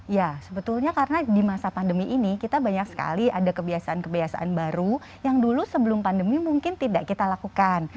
ya sebetulnya karena di masa pandemi ini kita banyak sekali ada kebiasaan kebiasaan baru yang dulu sebelum pandemi mungkin tidak kita lakukan